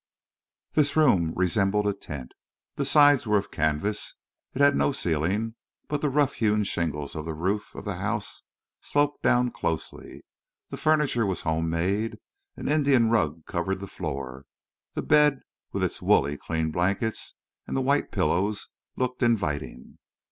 This room resembled a tent. The sides were of canvas. It had no ceiling. But the rough hewn shingles of the roof of the house sloped down closely. The furniture was home made. An Indian rug covered the floor. The bed with its woolly clean blankets and the white pillows looked inviting.